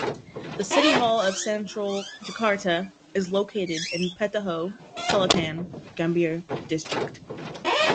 The City Hall of Central Jakarta is located in Petojo Selatan, Gambir District.